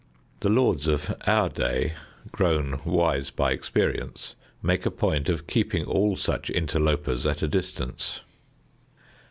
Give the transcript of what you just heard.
The lords of our day, grown wise by experience, make a point of keeping all such interlopers at a distance.